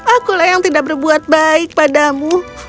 akulah yang tidak berbuat baik padamu